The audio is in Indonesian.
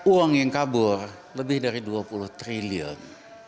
uang yang kabur lebih dari dua puluh triliun